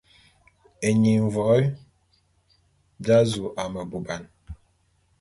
Eying mvoé dza zu a meboubane.